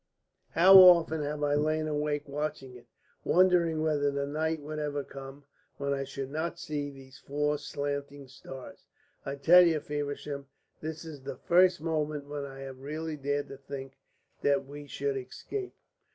How often have I lain awake watching it, wondering whether the night would ever come when I should not see those four slanting stars! I tell you, Feversham, this is the first moment when I have really dared to think that we should escape."